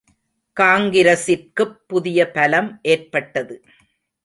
காங்கிரசிற்குப் புதிய பலம் ஏற்பட்டது.